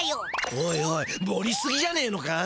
おいおいもりすぎじゃねえのか？